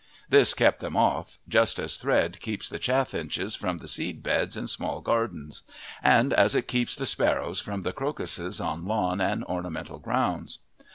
This kept them off, just as thread keeps the chaffinches from the seed beds in small gardens, and as it keeps the sparrows from the crocuses on lawn and ornamental grounds.